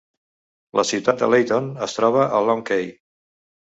La ciutat de Layton es troba a Long Key.